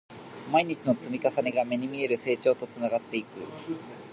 毎日の積み重ねが、目に見える成長へとつながっていく